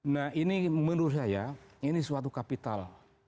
nah ini menurut saya ini suatu kapital